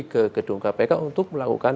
ke gedung kpk untuk melakukan